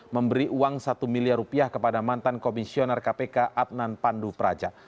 memberi uang satu miliar rupiah kepada mantan komisioner kpk adnan pandu praja